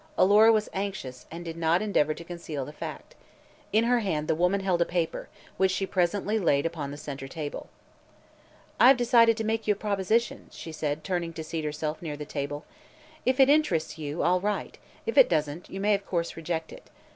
Alora was anxious and did not endeavor to conceal the fact. In her hand the woman held a paper, which she presently laid upon the center table. "I have decided to make you a proposition," she said, turning to seat herself near the table. "If it interests you, all right; if it doesn't, you may of course reject it.